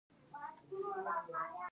څلورمه ګڼه یې د اکتوبر په میاشت کې نشریږي.